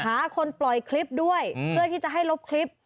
หาคนปล่อยคลิปด้วยเพื่อที่จะให้ลบคลิป